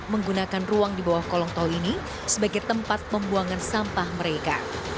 menggunakan ruang di bawah kolong tol ini sebagai tempat pembuangan sampah mereka